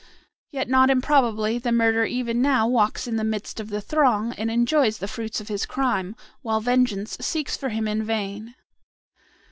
Yet not improbably the murderer even now walks in the midst of the throng, and enjoys the fruits of his crime, while vengeance seeks for him in vain.